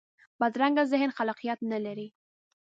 بدرنګه ذهن خلاقیت نه لري